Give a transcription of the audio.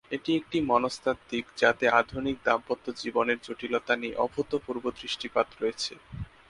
এটি একটি মনস্তাত্ত্বিক যাতে আধুনিক দাম্পত্য জীবনের জটিলতা নিয়ে অভূতপূর্ব দৃষ্টিপাত রয়েছে।